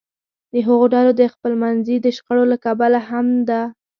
د هغو ډلو د خپلمنځي شخړو له کبله هم ده